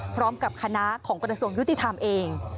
พร้อมกับคณะของกระทรวงยุติธรรมเอง